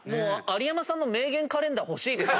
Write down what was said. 有山さんの名言カレンダー欲しいです。